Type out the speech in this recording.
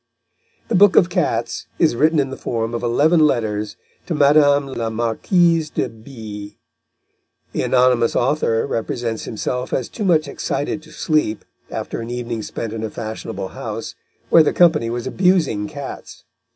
The book of cats is written in the form of eleven letters to Madame la Marquise de B . The anonymous author represents himself as too much excited to sleep, after an evening spent in a fashionable house, where the company was abusing cats.